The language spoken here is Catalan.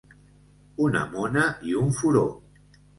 Una mona i un furó.